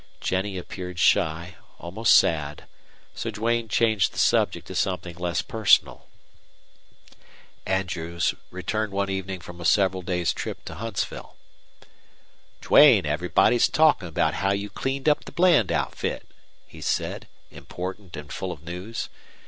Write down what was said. Jennie appeared shy, almost sad, so Duane changed the subject to something less personal. Andrews returned one evening from a several days' trip to Huntsville. "Duane, everybody's talkie' about how you cleaned up the Bland outfit," he said, important and full of news.